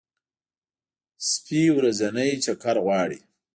سپي ورځنی چکر غواړي.